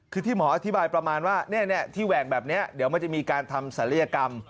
คือที่หมออธิบายประมาณว่าที่แหว่งแบบนี้เดี๋ยวมันจะมีการทำศัลยกรรม